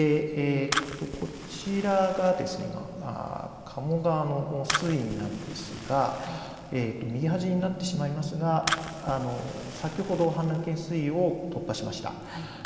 こちらが加茂川の水位なんですが右端になりますが先ほど氾濫危険水位を突破しました。